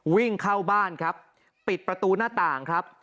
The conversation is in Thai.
วิ่งเข้าบ้านครับปิดประตูหน้าต่างครับ